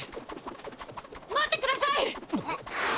待ってください！